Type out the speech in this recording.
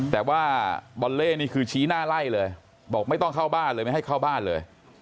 แต่ว่าบอลเล่นี่คือชี้หน้าไล่เลยบอกไม่ต้องเข้าบ้านเลยไม่ให้เข้าบ้านเลย